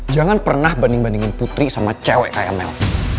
jangan pernah banding bandingin putri sama cewek kayak amel